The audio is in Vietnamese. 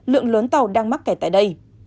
lượng lớn tàu đang mắc kẻ tại đây